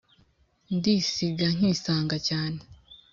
ndisiga nkisanga cyane